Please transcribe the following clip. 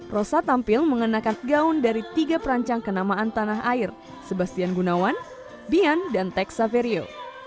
rosa tampil mengenakan gaun dari tiga perancang kenamaan tanah air sebastian gunawan bian dan tex saverio